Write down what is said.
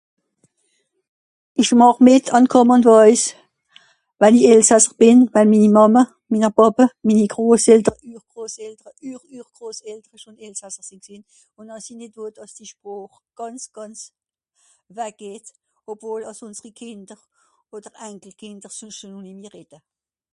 Ìch màch mìt àn Common Voice, waje i elsasser bìn. Waje minni Màmme, minner Pàppe, minni Groseltere, Ührgroseltere, Ühr-ührgroseltere schon elsasser sìnn gsìnn. ùn àss i nìt wott àss die Sproch, gànz gànz waggeht. Obwohl àss ùnsri Kìnder, odder Enkelkìnder (...) nìmmi redde.